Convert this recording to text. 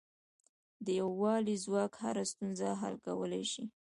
د یووالي ځواک هره ستونزه حل کولای شي.